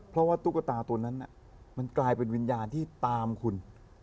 เพราะว่าตุ๊กตาตัวนั้นมันกลายเป็นวิญญาณที่ตามคุณ